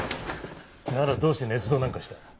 ならどうして捏造なんかした？